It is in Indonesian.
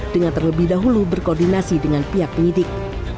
dengan terlebih dahulu berkoordinasi dengan pihak penyidik